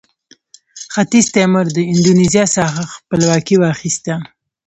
ختیځ تیمور د اندونیزیا څخه خپلواکي واخیسته.